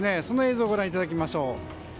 その映像をご覧いただきましょう。